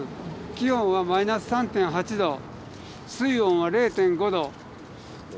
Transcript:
気温はマイナス３．８度水温は０．５度。